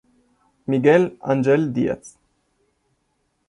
Miguel Ángel Díaz